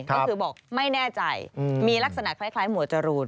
ก็คือบอกไม่แน่ใจมีลักษณะคล้ายหมวดจรูน